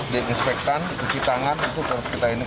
diinspektan cuci tangan itu kita ini